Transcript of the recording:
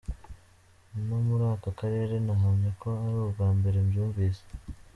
no muri aka karere nahamya ko ari ubwa mbere byumvise.